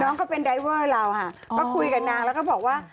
น้องเขาเป็นรายเวอร์เราค่ะก็คุยกับนางแล้วก็บอกว่า